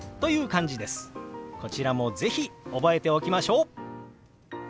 こちらも是非覚えておきましょう！